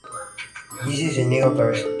Jesse se niega otra vez.